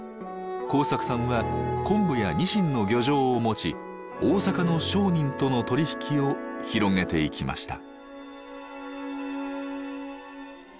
幸作さんは昆布やにしんの漁場を持ち大阪の商人との取り引きを広げていきました。